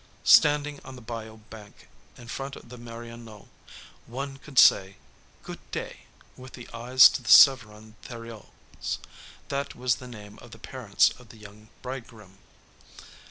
Standing on the bayou bank in front of the Mérionaux, one could say "Good day" with the eyes to the Zévérin Theriots that was the name of the parents of the young bridegroom.